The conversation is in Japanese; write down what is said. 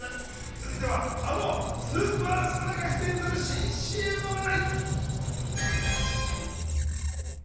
続いては、あのスーパースターが出演する新ＣＭの話題。